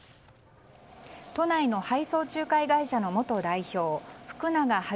都内の配送仲介会社の元代表福永悠宏